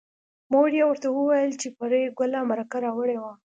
مور یې ورته وویل چې پري ګله مرکه راوړې وه